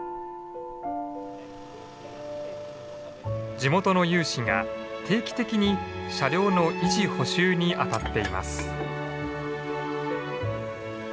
地元の有志が定期的に車両の維持補修にあたっています。